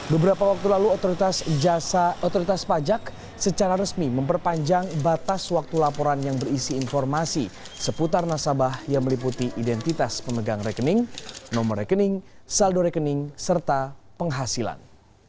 beberapa waktu lalu otoritas jasa otoritas pajak secara resmi memperpanjang batas waktu laporan yang berisi informasi seputar nasabah yang meliputi identitas pemegang rekening nomor rekening saldo rekening serta penghasilan